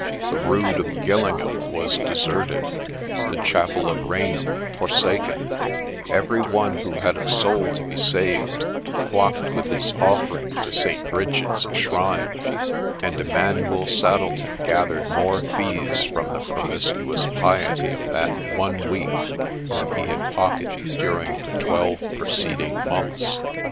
The Rood of Gillingham was deserted ; the chapel of Rainham forsaken ; every one who had a soul to be saved, flocked with his offering to St. Bridget's shrine, and Emmanuel Saddleton gathered more fees from the promiscuous piety of that one week than he had pocketed during the twelve preceding months.